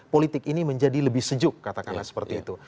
politik ini menjadi lebih sejuk katakanlah seperti itu